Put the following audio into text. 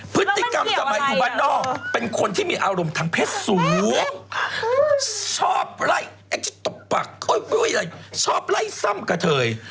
พฤติกรรมสมัยอยู่บ้านนอกเป็นคนที่มีอารมณ์ทางเพศสูงชอบไล่แองจิตบปากชอบไล่ซ่ำกะเทย